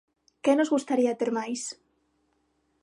¿Que nos gustaría ter máis?